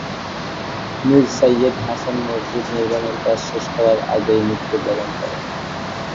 মির সাইয়্যেদ হাসান মসজিদ নির্মানের কাজ শেষ করার আগেই মৃত্যুবরণ করেন।